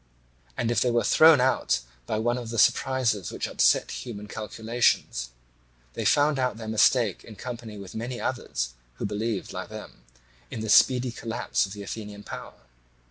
And if they were thrown out by one of the surprises which upset human calculations, they found out their mistake in company with many others who believed, like them, in the speedy collapse of the Athenian power.